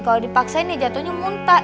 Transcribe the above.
kalo dipaksain ya jatohnya muntah